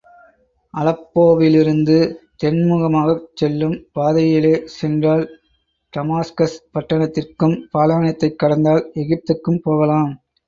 அலெப்போவிலிருந்து, தென்முகமாகச் செல்லும் பாதையிலே சென்றால், டமாஸ்கஸ் பட்டணத்திற்கும், பாலைவனத்தைக் கடந்தால் எகிப்துக்கும் போகலாம்.